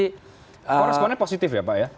responnya positif ya pak ya